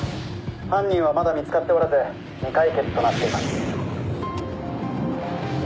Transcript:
犯人はまだ見つかっておらず未解決となっています。